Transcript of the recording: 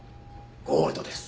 ゴールドです。